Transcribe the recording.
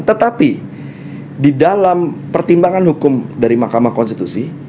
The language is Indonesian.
tetapi di dalam pertimbangan hukum dari mahkamah konstitusi